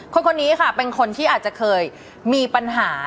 คนนี้ค่ะเป็นคนที่อาจจะเคยมีปัญหา